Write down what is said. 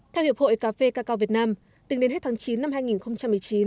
theo hiệp hội cà phê cacao việt nam từng đến hết tháng chín năm hai nghìn một mươi chín